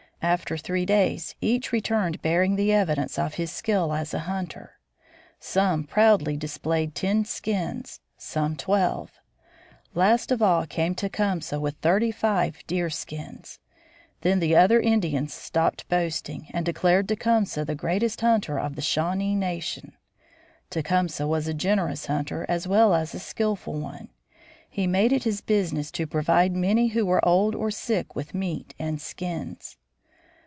After three days each returned bearing the evidence of his skill as a hunter. Some proudly displayed ten skins, some twelve. Last of all came Tecumseh with thirty five deer skins. Then the other Indians stopped boasting, and declared Tecumseh the greatest hunter of the Shawnee nation. Tecumseh was a generous hunter as well as a skillful one. He made it his business to provide many who were old or sick with meat and skins.